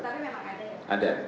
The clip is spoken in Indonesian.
tapi memang ada ya